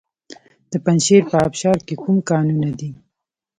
د پنجشیر په ابشار کې کوم کانونه دي؟